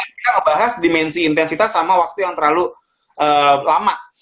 itu di ujung sini itu kita bahas dimensi intensitas sama waktu yang terlalu lama